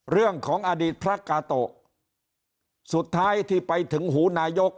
เรื่องของอดีตพระกาโตะสุดท้ายที่ไปถึงหูนายก